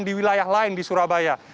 di wilayah lain di surabaya